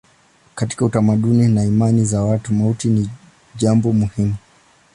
Katika utamaduni na imani za watu mauti ni jambo muhimu.